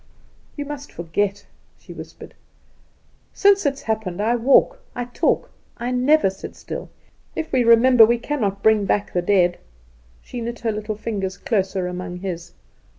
"You must forget," she whispered. "Since it happened I walk, I talk, I never sit still. If we remember, we cannot bring back the dead." She knit her little fingers closer among his.